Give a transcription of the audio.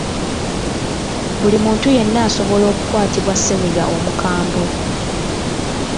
Buli muntu yenna asobola okukwatibwa ssennyiga omukambwe.